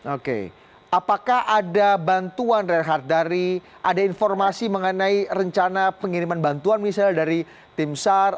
oke apakah ada bantuan reinhardt dari ada informasi mengenai rencana pengiriman bantuan misalnya dari tim sar